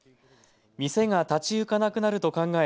店が立ち行かなくなると考え